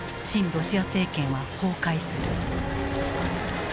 ロシア政権は崩壊する。